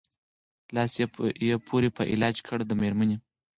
لاس یې پوري په علاج کړ د مېرمني